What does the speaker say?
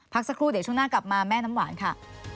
สักครู่เดี๋ยวช่วงหน้ากลับมาแม่น้ำหวานค่ะ